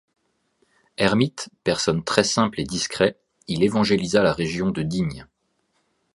Ermite, personne très simple et discret, il évangélisa la région de Digne.